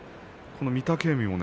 御嶽海も